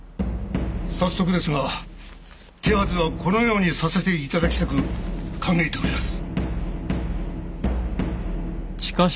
早速ですが手はずはこのようにさせて頂きたく考えておりやす。